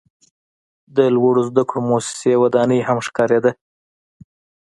د لوړو زده کړو موسسې ودانۍ هم ښکاریده.